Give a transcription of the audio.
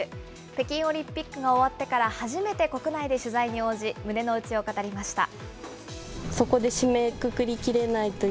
北京オリンピックが終わってから初めて国内で取材に応じ、胸の内を語りました。